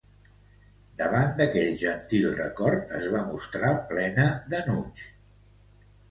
Davant d'aquell gentil record es va mostrar plena d'enuig.